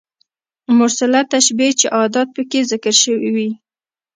مرسله تشبېه چي ادات پکښي ذکر سوي يي.